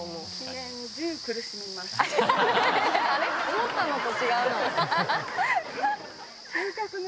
思ったのと違うな。